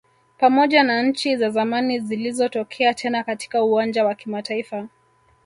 Pamoja na nchi za zamani zilizotokea tena katika uwanja wa kimataifa